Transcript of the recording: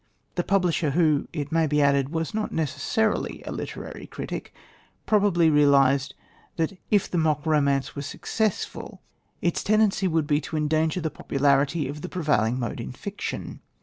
The publisher, who, it may be added, was not necessarily a literary critic, probably realised that if the mock romance were successful, its tendency would be to endanger the popularity of the prevailing mode in fiction.